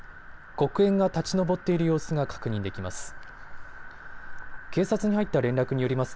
黒煙が立ち上っている様子が確認できます。